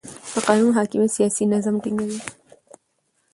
د قانون حاکمیت سیاسي نظم ټینګوي